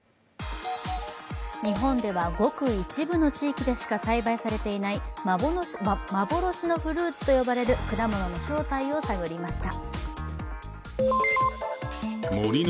日本ではごく一部の地域でしか栽培されていない幻のフルーツと呼ばれる果物の正体を探りました。